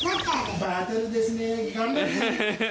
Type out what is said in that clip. バトルですね。